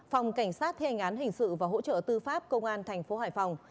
phòng cảnh sát thế hành án hình sự và hỗ trợ tư pháp công an tp hải phòng